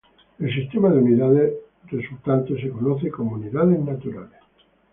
El sistema de unidades resultante se conoce como unidades naturales.